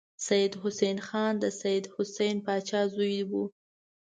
سید حسن خان د سید حسین پاچا زوی و.